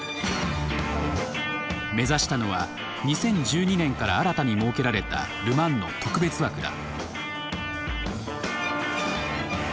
目指したのは２０１２年から新たに設けられたル・マンの特別枠だ。